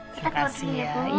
terima kasih ya